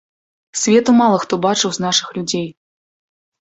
Свету мала хто бачыў з нашых людзей.